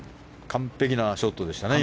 完璧なショットでしたね。